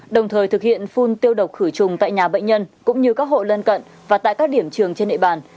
đồng thời thực hiện phun tiêu độc khử trùng tại nhà bệnh nhân cũng như các hộ lân cận và tại các điểm trường trên địa bàn